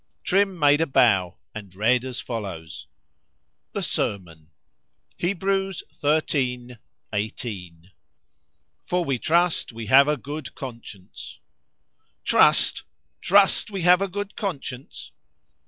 Trim made a bow, and read as follows: The S E R M O N. HEBREWS xiii. 18. ———For we trust we have a good Conscience. "TRUST!——Trust we have a good conscience!"